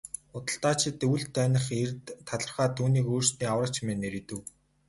Худалдаачид үл таних эрд талархаад түүнийг өөрсдийн аврагч хэмээн нэрийдэв.